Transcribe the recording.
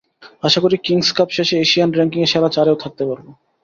আশা করি, Kings Cup শেষে Asian র্যাঙ্কিংয়ে সেরা চারেও থাকতে পারব।